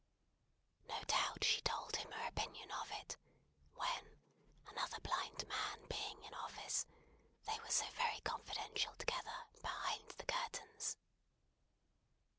No doubt she told him her opinion of it, when, another blind man being in office, they were so very confidential together, behind the curtains.